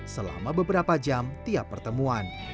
selama beberapa jam tiap pertemuan